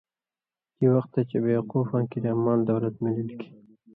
گی وختہ چے بےقوفاں کریا مال دولت مِلِلیۡ کھیں